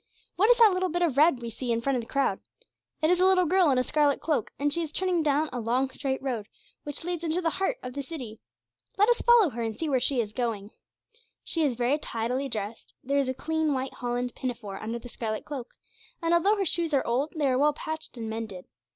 What is that little bit of red that we see in front of the crowd? It is a little girl in a scarlet cloak, and she is turning down a long straight road which leads into the heart of the city. Let us follow her and see where she is going. She is very tidily dressed; there is a clean white holland pinafore under the scarlet cloak, and although her shoes are old, they are well patched and mended.